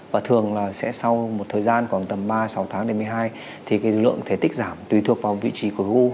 và thường là sẽ sau một thời gian khoảng tầm ba sáu tháng đến một mươi hai thì cái lượng thể tích giảm tùy thuộc vào vị trí của gu